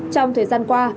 trong thời gian qua